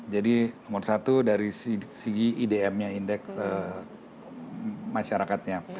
jadi nomor satu dari sisi idm nya indeks masyarakatnya